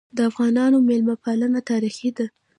د افغانانو مېلمه پالنه تاریخي ده.